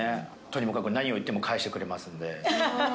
とにもかくにも何を言っても返してくれますんで。